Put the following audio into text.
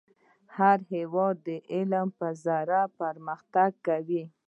هر هیواد د علم په ذریعه پرمختګ کوي .